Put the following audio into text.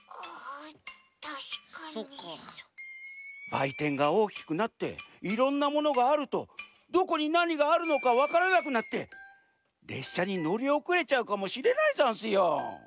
ばいてんがおおきくなっていろんなものがあるとどこになにがあるのかわからなくなってれっしゃにのりおくれちゃうかもしれないざんすよ。